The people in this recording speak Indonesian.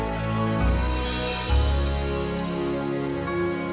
ya terima kasih banyak